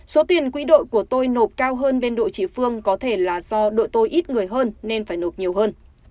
số tiền quỹ đội của tôi nộp cao hơn bên đội chị phương có thể là do đội tôi ít người hơn nên phải nộp nhiều hơn